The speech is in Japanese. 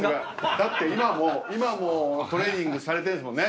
だって今もトレーニングされてるんですもんね？